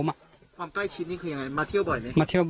ความใกล้ชิดนี่คือยังไงมาเที่ยวบ่อยไหม